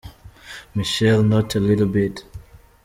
Michelle – Not A Little Bit.